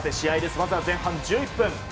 まずは前半１１分。